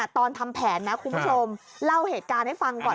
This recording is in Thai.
ตอนทำแผนนะคุณผู้ชมเล่าเหตุการณ์ให้ฟังก่อน